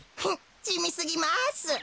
フッじみすぎます。